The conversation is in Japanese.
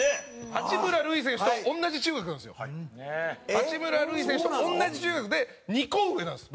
八村塁選手と同じ中学で２個上なんですよ